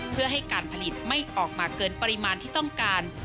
เพื่อให้การผลิตไม่ออกมาเกินปริมาณที่ต้องการ